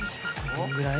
どのぐらい？